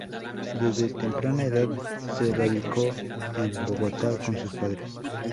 Desde temprana edad se radicó en Bogotá con sus padres.